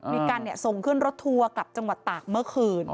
มีการส่งขึ้นรถทัวร์กลับจังหวัดตากเมื่อคืน